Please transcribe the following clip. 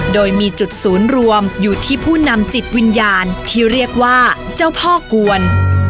โดยมีจุดศูนย์รวมอยู่ที่ผู้นำจิตวิญญาณที่เรียกว่าเจ้าพ่อกวน